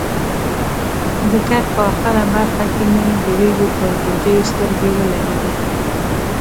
د کټ په اخره برخه کې مې د ریګو پر بوجیو سترګې ولګېدې.